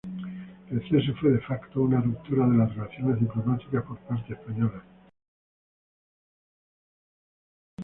El cese fue, "de facto", una ruptura de las relaciones diplomáticas por parte española.